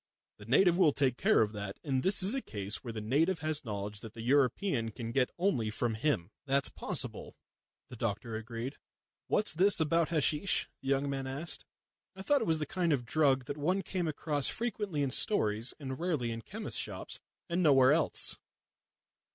The native will take care of that, and this is a case where the native has knowledge that the European can get only from him." "That's possible," the doctor agreed. "What's that about hasheesh?" the young man asked. "I thought it was the kind of drug that one came across frequently in stories, and rarely in chemist's shops, and nowhere else."